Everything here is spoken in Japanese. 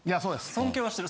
尊敬はしてる。